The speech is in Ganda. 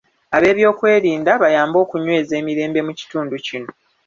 Abeebyokwerinda, bayambe okunyweza emirembe mu kitundu kino.